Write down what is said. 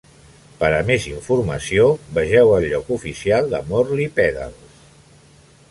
Per a més informació, vegeu el lloc oficial de Morley Pedals.